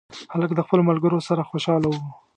هلک د خپلو ملګرو سره خوشحاله و.